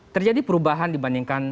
terjadi perubahan dibandingkan